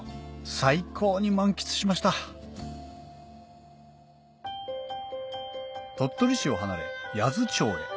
最高に満喫しました鳥取市を離れ八頭町へ